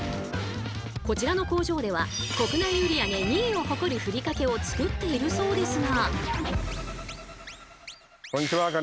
こちらの工場では国内売り上げ２位を誇るふりかけを作っているそうですが。